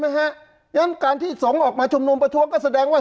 ใช่ไหมฮะยังการที่สงออกมาชมนวมประท้วงก็แสดงว่า